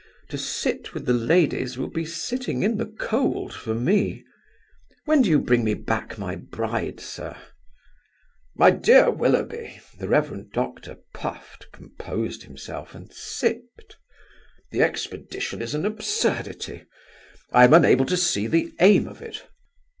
To sit with the ladies will be sitting in the cold for me. When do you bring me back my bride, sir?" "My dear Willoughby!" The Rev. Doctor puffed, composed himself, and sipped. "The expedition is an absurdity. I am unable to see the aim of it.